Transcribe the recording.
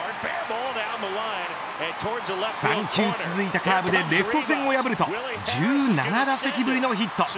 ３球続いたカーブでレフト線を破ると１７打席ぶりのヒット。